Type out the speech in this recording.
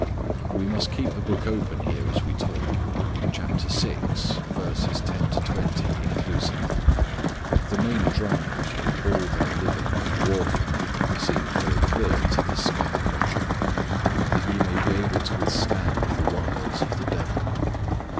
We must keep the book open here as we talk: chapter six, verses ten to twenty inclusive. The main drive of all their living and warfare seems very clear to this scarred veteran: "that ye may be able to withstand the wiles of the devil."